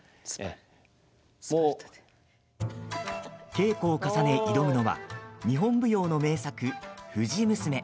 稽古を重ね、挑むのは日本舞踊の名作「藤娘」。